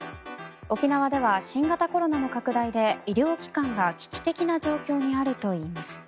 沖縄では新型コロナの拡大で医療機関が危機的な状況にあるといいます。